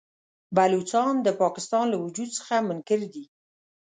بلوڅان د پاکستان له وجود څخه منکر دي.